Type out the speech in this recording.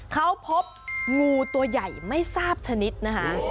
เขาพบงูตัวใหญ่ไม่ทราบชนิดนะคะ